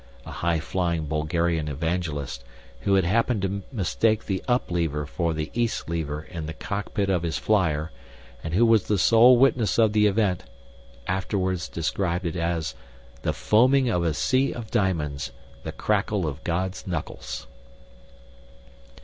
A high flying Bulgarian evangelist, who had happened to mistake the up lever for the east lever in the cockpit of his flier and who was the sole witness of the event, afterward described it as "the foaming of a sea of diamonds, the crackle of God's knuckles."